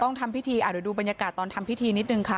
ต้องทำพิธีดูบรรยากาศตอนทำพิธีนิดนึงค่ะ